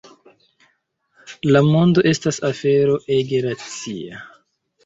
La mondo estas afero ege racia.